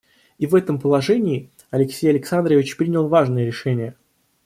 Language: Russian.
И в этом положении Алексей Александрович принял важное решение.